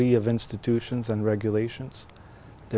có truyền thống tính năng lực của nền văn hóa